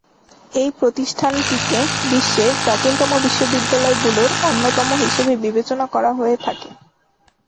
এই প্রতিষ্ঠানটিকে বিশ্বের প্রাচীনতম বিশ্ববিদ্যালয়গুলোর অন্যতম হিসেবে বিবেচনা করা হয়ে থাকে।